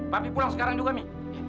papi pulang sekarang juga mi